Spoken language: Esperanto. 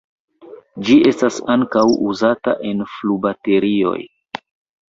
Ĝi estas ankaŭ uzata en flubaterioj.